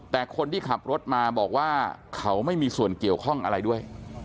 แต่คนที่ขับรถมาบอกว่าเขาไม่มีส่วนเกี่ยวข้องอะไรด้วย